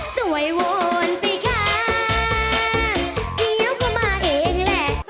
สวยวอนไปค่ะเดี๋ยวก็มาเองแหละ